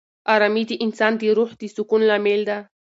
آرامي د انسان د روح د سکون لامل ده.